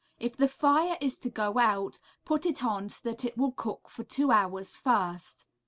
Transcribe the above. If the fire is to go out, put it on so that it will cook for two hours first.